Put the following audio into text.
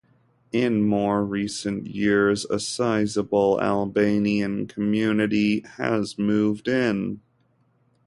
In more recent years, a sizable Albanian community has moved in.